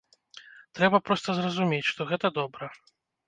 Трэба проста зразумець, што гэта добра.